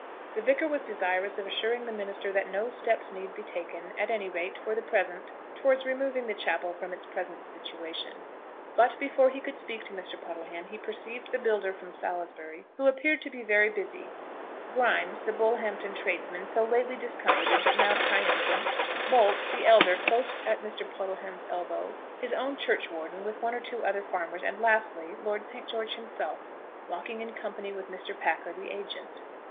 The Vicar was desirous of assuring the minister that no steps need be taken, at any rate, for the present, towards removing the chapel from its present situation. But before he could speak to Mr. Puddleham he perceived the builder from Salisbury, who appeared to be very busy, Grimes, the Bullhampton tradesman, so lately discomfited, but now triumphant, Bolt, the elder, close at Mr. Puddleham's elbow, his own churchwarden, with one or two other farmers, and lastly, Lord St. George himself, walking in company with Mr. Packer, the agent.